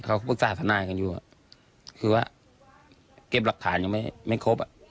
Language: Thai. เขาก็ปรึกษาธนาอยู่คือว่าเก็บหลักฐานยังไม่ครบ